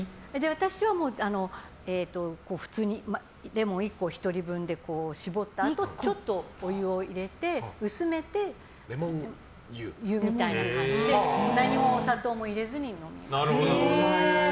私は普通にレモン１個１人分で搾ったあとちょっとお湯を入れて薄めて、レモン湯みたいな感じで何もお砂糖も入れずに。